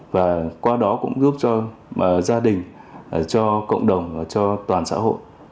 và qua đó cũng giúp cho gia đình cho cộng đồng và cho toàn xã hội